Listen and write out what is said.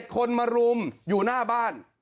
คนมารุมอยู่หน้าบ้าน